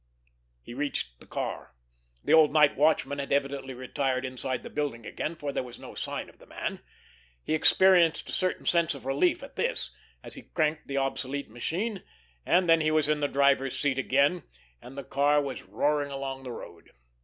He reached the car. The old night watchman had evidently retired inside the building again, for there was no sign of the man. He experienced a certain sense of relief at this, as he cranked the obsolete machine; and then he was in the driver's seat again, and the car was roaring along the road.